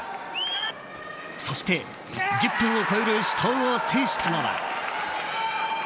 そして、１０分を超える死闘を制したのは。